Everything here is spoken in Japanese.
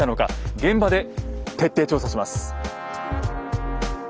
現場で徹底調査します。